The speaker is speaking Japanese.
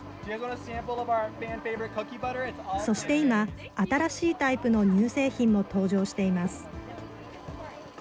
そして今、新しいタイプの乳製品も登場しています。